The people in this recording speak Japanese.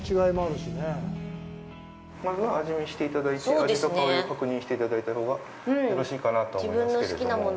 まずは味見していただいて、味と香りを確認していただいたほうがよろしいかなとは思いますけれども。